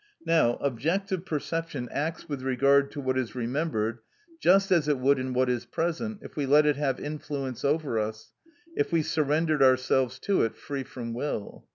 Now, objective perception acts with regard to what is remembered just as it would in what is present, if we let it have influence over us, if we surrendered ourselves to it free from will.